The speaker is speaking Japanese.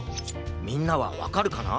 みんなはわかるかな？